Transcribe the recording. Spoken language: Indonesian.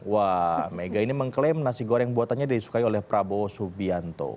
wah mega ini mengklaim nasi goreng buatannya disukai oleh prabowo subianto